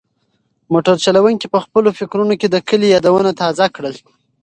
موټر چلونکي په خپلو فکرونو کې د کلي یادونه تازه کړل.